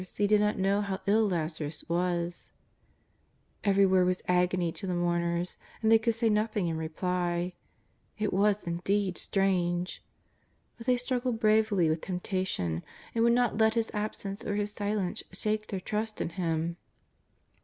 He did not know how ill Laza rus w^as. Every word was agony to the mourners. And they could say nothing in reply. It was indeed strange. But they struggled bravely with temptation and would not let His absence or His silence shake their trust in Him.